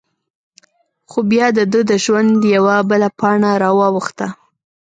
خو؛ بیا د دهٔ د ژوند یوه بله پاڼه را واوښته…